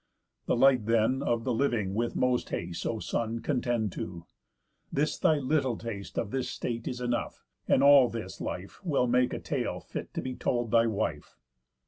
The light then of the living with most haste, O son, contend to. This thy little taste Of this state is enough; and all this life Will make a tale fit to be told thy wife.